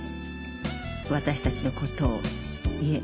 私たちのことをいえ